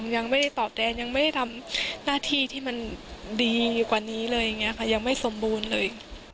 ยังไม่ได้ตอบแทนยังไม่ได้ทำหน้าที่ที่มันดีกว่านี้เลยอย่างนี้ค่ะยังไม่สมบูรณ์เลย